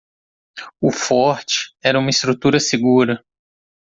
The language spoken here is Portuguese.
O forte era uma estrutura segura.